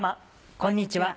こんにちは。